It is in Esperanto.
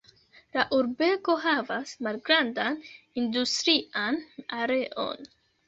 La urbego havas malgrandan industrian areon.